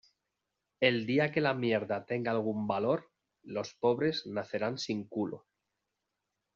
El día que la mierda tenga algún valor, los pobres nacerán sin culo